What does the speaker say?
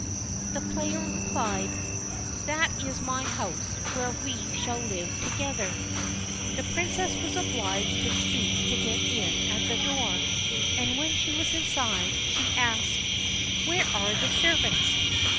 The player replied: "That is my house, where we shall live together." The princess was obliged to stoop to get in at the door, and when she was inside, she asked: "Where are the servants?"